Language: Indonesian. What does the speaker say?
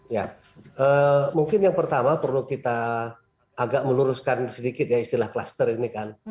ya mungkin yang pertama perlu kita agak meluruskan sedikit ya istilah kluster ini kan